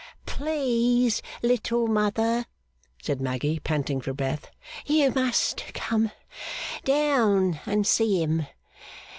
'Please, Little Mother,' said Maggy, panting for breath, 'you must come down and see him.